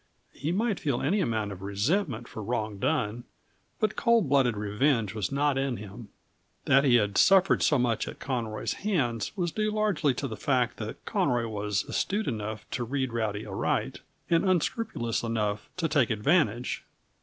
He might feel any amount of resentment for wrong done, but cold blooded revenge was not in him; that he had suffered so much at Conroy's hands was due largely to the fact that Conroy was astute enough to read Rowdy aright, and unscrupulous enough to take advantage.